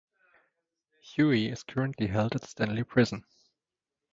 Hui is currently held at Stanley Prison.